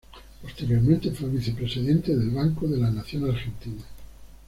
Posteriormente fue vicepresidente del Banco de la Nación Argentina.